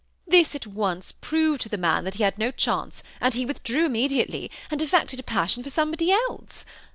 This at once proved to the man that he had no chance, and he withdrew immediately, and affected a passion for somebody else.